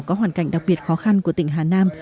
có hoàn cảnh đặc biệt khó khăn của tỉnh hà nam